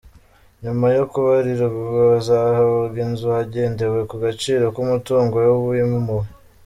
Nyuma yo kubarirwa bazahabwa inzu hagendewe ku gaciro k’umutungo w’uwimuwe.